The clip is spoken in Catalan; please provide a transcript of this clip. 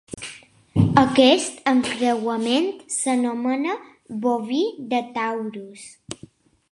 Aquest encreuament s'anomena "boví de Taurus".